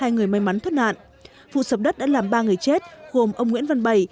hai người may mắn thoát nạn vụ sập đất đã làm ba người chết gồm ông nguyễn văn bảy